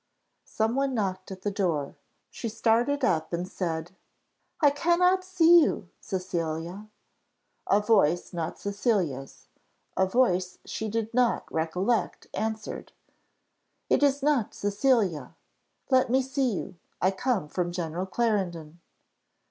Some one knocked at the door; she started up, and said, "I cannot see you, Cecilia!" A voice not Cecilia's, a voice she did not recollect, answered, "It is not Cecilia; let me see you. I come from General Clarendon."